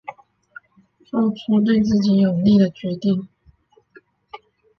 做出对自己有利的决定